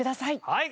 はい。